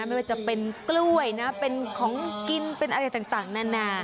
ไม่ว่าจะเป็นกล้วยนะเป็นของกินเป็นอะไรต่างนานา